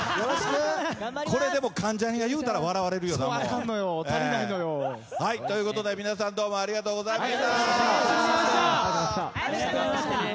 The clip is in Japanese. これでも関ジャニが言ったら笑われるよな。ということで皆さんどうもありがとうございました。